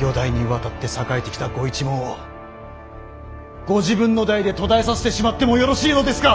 四代にわたって栄えてきたご一門をご自分の代で途絶えさせてしまってもよろしいのですか。